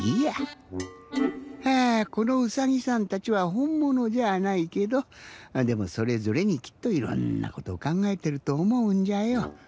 このうさぎさんたちはほんものじゃないけどでもそれぞれにきっといろんなことをかんがえてるとおもうんじゃよ。